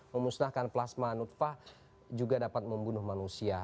memusnahkan plasma nutfah juga dapat membunuh manusia